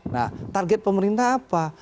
nah target pemerintah apa